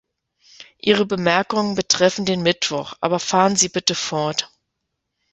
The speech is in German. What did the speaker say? Ihre Bemerkungen betreffen den Mittwoch, aber fahren Sie bitte fort.